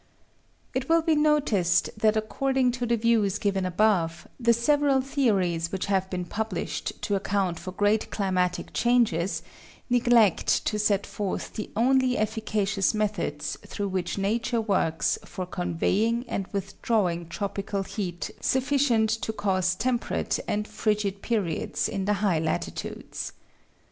It will be noticed that according to the views given above, the several theories which have been published to account for great climatic changes neglect to set forth the only efficacious methods through which nature works for conveying and withdrawing tropical heat sufficient to cause temperate and frigid periods in the high latitudes.